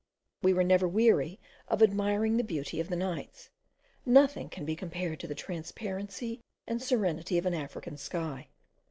We were never weary of admiring the beauty of the nights; nothing can be compared to the transparency and serenity of an African sky.